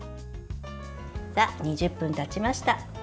２０分たちました。